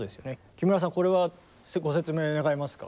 木村さんこれはご説明願えますか？